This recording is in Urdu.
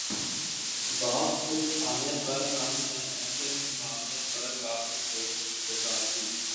رات کے کھانے پر ہم نے اس معمے پر کافی سوچ بچار کی